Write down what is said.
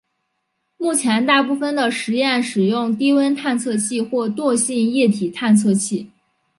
目前大部分的实验使用低温探测器或惰性液体探测器。